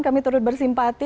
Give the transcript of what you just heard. kami terus bersimpati